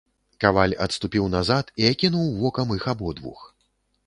Каваль адступіў назад і акінуў вокам іх абодвух.